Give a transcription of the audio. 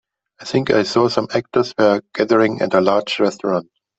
I think I saw some actors were gathering at a large restaurant.